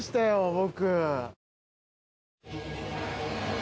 僕。